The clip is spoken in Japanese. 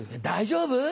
大丈夫？